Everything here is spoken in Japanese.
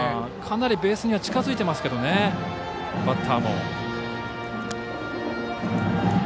かなりベースには近づいていますが、バッターも。